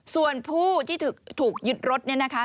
ส่วนผู้ที่ถูกยึดรถเนี่ยนะคะ